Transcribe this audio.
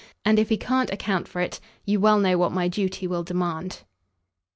And if he can't account for it you well know what my duty will demand."